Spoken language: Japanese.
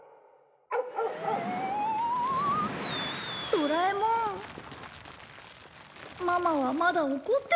ドラえもんママはまだ怒ってるかい？